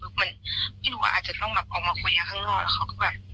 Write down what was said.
คือมันไม่รู้ว่าอาจจะต้องแบบออกมาคุยกันข้างนอกแล้วเขาก็แบบ